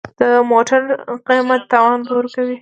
د موټر قیمت تاوان به ورکوې.